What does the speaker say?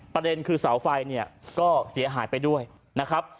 ประเด็นคือเสาไฟเนี่ยก็เสียหายไปด้วยนะครับ